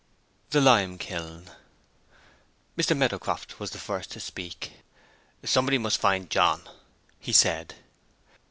THE LIME KILN. MR. MEADOWCROFT was the first to speak. "Somebody must find John," he said.